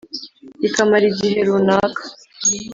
bikamara igihe runaka